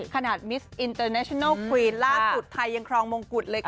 มิสอินเตอร์เนชนัลควีนล่าสุดไทยยังครองมงกุฎเลยค่ะ